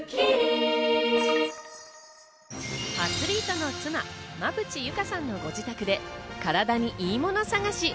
アスリートの妻・馬淵優佳さんのご自宅でカラダにいいもの探し。